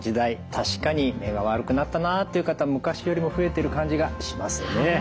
確かに目が悪くなったなっていう方昔よりも増えてる感じがしますよね。